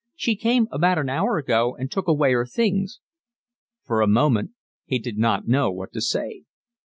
"She came about an hour ago and took away her things." For a moment he did not know what to say.